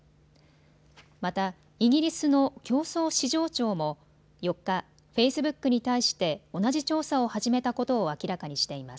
また、イギリスの競争・市場庁も４日、フェイスブックに対して同じ調査を始めたことを明らかにしています。